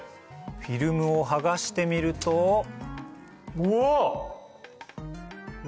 フィルムを剥がしてみるとうわ！